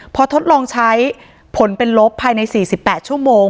พอทดลองใช้ผลเป็นลบภายใน๔๘ชั่วโมง